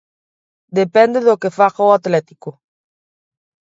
Depende do que faga o Atlético.